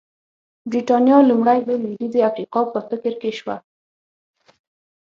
برېټانیا لومړی د لوېدیځې افریقا په فکر کې شوه.